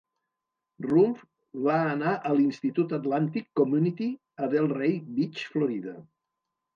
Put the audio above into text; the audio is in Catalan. Rumph va anar a l'Institut Atlantic Community a Delray Beach, Florida.